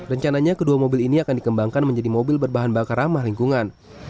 rencananya kedua mobil ini akan dikembangkan menjadi mobil berbahan bakar ramah lingkungan